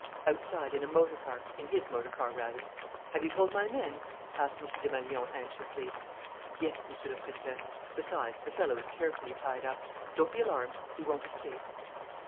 "Outside, in a motor car, in his motor car, rather." "Have you told my men?" asked M. Desmalions anxiously. "Yes, Monsieur le Préfet. Besides, the fellow is carefully tied up. Don't be alarmed. He won't escape."